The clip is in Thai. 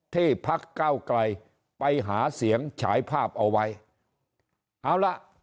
พักเก้าไกลไปหาเสียงฉายภาพเอาไว้เอาล่ะ